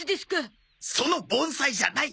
その凡才じゃない！